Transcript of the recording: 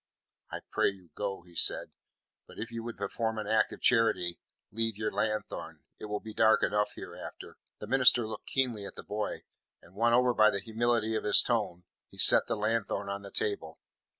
"I pray you go," he said. "But if you would perform an act of charity, leave your lanthorn. It will be dark enough hereafter." The minister looked keenly at the boy, and won over by the humility of his tone, he set the lanthorn on the table.